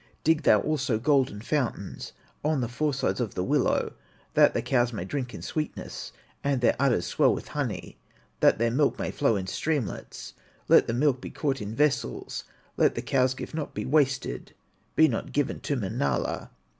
Dig thou also golden fountains On the four sides of the willow, That the cows may drink in sweetness, And their udders swell with honey, That their milk may flow in streamlets; Let the milk be caught in vessels, Let the cow's gift be not wasted, Be not given to Manala.